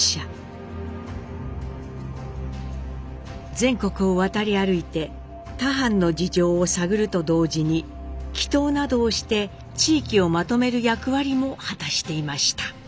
全国を渡り歩いて他藩の事情を探ると同時に祈祷などをして地域をまとめる役割も果たしていました。